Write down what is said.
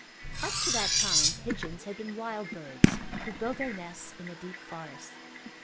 Up to that time pigeons had been wild birds who built their nests in the deep forest.